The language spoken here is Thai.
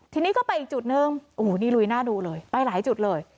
ทีนี้ก็ไปอีกจุดนึงโอ้โหนี่ลุยหน้าดูเลยไปหลายจุดเลย